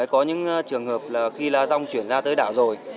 có những trường hợp là khi lá rong chuyển ra tới đảo rồi